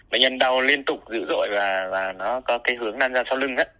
bệnh nhân đau liên tục dữ dội và nó có cái hướng năn ra sau lưng